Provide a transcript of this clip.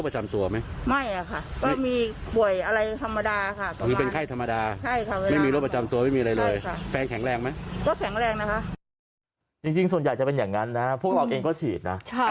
จริงส่วนใหญ่จะเป็นอย่างนั้นนะพวกเราเองก็ฉีดนะ